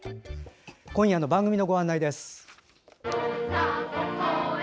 今夜の番組のご案内です。